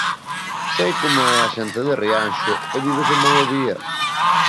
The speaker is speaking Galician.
Sei como é a xente de Rianxo e vívese moi ao día.